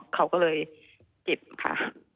เขาก็เลยเก็บค่ะ